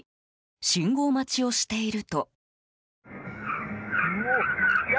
信号待ちをしていると。